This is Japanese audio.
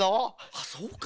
あそうか。